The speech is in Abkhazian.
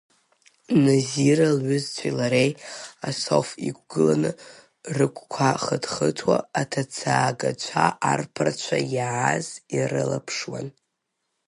Назира лҩызцәеи лареи асоф иқәгыланы, рыгәқәа хыҭ-хыҭуа, аҭацаагацәа арԥарцәа иааз ирылаԥшуан.